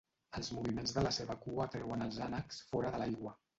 Els moviments de la seva cua atreuen els ànecs fora de l'aigua.